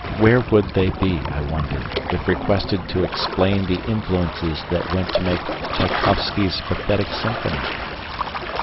Where would they be, I wonder, if requested to explain the influences that went to make Tschaikowsky's "Pathetic Symphony"?